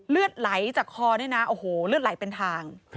เลือดไหลจากคอเนี่ยนะโอ้โหเลือดไหลเป็นทาง